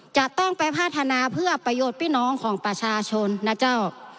จะต้องไปพัฒนาเพื่อประโยชน์พี่น้องของประชาชนนะเจ้า